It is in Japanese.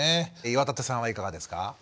岩立さんはいかがですか？